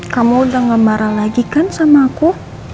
kamu udah gak marah lagi kan sama aku